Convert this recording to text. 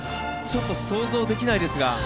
ちょっと想像できないですが。